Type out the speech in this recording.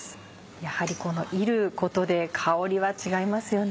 やはりこの炒ることで香りは違いますよね。